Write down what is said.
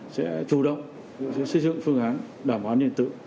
sẽ chủ động xây dựng phương án đảm bảo an ninh trật tự